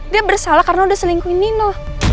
dia bersalah karena udah selingkuh nino